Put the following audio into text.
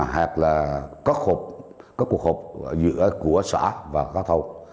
hoặc là các cuộc họp giữa của xã và các thầu